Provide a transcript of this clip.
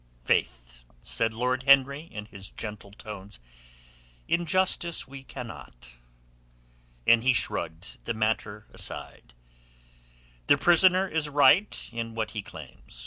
"Faith," said Lord Henry in his gentle tones, "in justice we cannot." And he shrugged the matter aside. "The prisoner is right in what he claims.